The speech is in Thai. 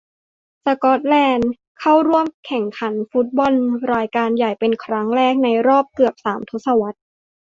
สกอตแลนด์ เข้าร่วมแข่งขันฟุตบอลรายการใหญ่เป็นครั้งแรกในรอบเกือบสามทศวรรษ